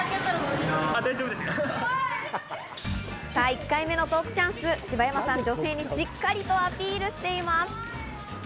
さぁ、１回目のトークチャンス、シバヤマさん、女性にしっかりアピールしています。